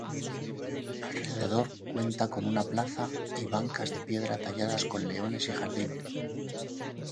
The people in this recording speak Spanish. Alrededor cuenta con una plaza y bancas de piedra talladas con leones y jardines.